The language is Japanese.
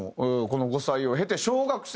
この５歳を経て小学生時代。